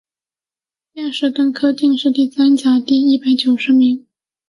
殿试登进士第三甲第一百九十名。